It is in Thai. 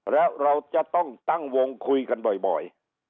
แล้วเราจะต้องตั้งวงคุยกันบ่อย